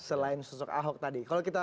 selain sosok ahok tadi